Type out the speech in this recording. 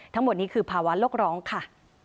ทั้งหมดนี้คือภาวะโลกร้องค่ะ